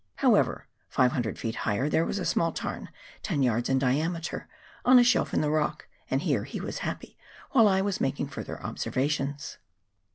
However, 500 ft. higher there was a small tarn ten yards in diameter, on a shelf in the rock, and here he was happy while I was making further observations.